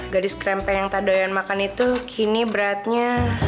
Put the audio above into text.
gadis kerempeng yang tak daya makan itu kini beratnya